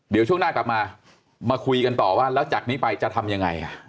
เดี๋ยวช่วงหน้ากลับมามาคุยกันต่อว่าแล้วจากนี้ไปจะทำยังไง